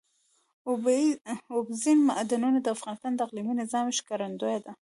اوبزین معدنونه د افغانستان د اقلیمي نظام ښکارندوی ده.